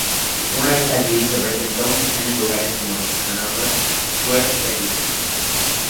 Una vez allí, se presentó en escena en lugares como los Hannover Square series.